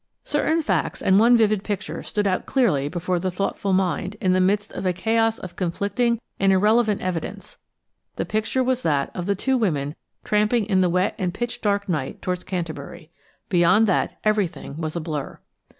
Certain facts and one vivid picture stood out clearly before the thoughtful mind in the midst of a chaos of conflicting and irrelevant evidence: the picture was that of the two women tramping in the wet and pitch dark night towards Canterbury. Beyond that everything was a blur.